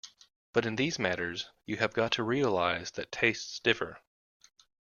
But in these matters you have got to realize that tastes differ.